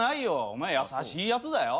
お前優しいやつだよ。